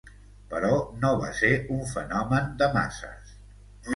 Però no va ser un fenomen de masses.